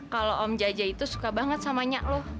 kalau om jaja itu suka banget sama nya lu